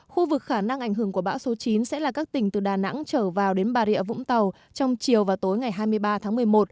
khu vực khả năng ảnh hưởng của bão số chín sẽ là các tỉnh từ đà nẵng trở vào đến bà rịa vũng tàu trong chiều và tối ngày hai mươi ba tháng một mươi một